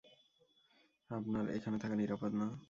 আপনার এখানে থাকা নিরাপদ না।